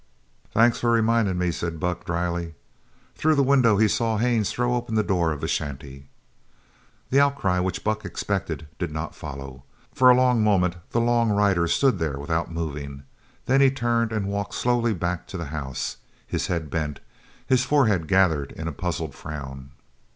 "Thanks for remindin' me," said Buck drily. Through the window he saw Haines throw open the door of the shanty. The outcry which Buck expected did not follow. For a long moment the long rider stood there without moving. Then he turned and walked slowly back to the house, his head bent, his forehead gathered in a puzzled frown.